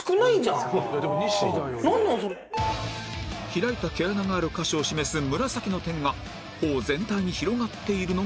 開いた毛穴がある箇所を示す紫の点が頬全体に広がっているのがわかる